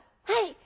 「はい。